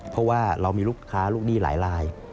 เพราะว่าเรามีลูกค้าลูกหนี้หลายลาย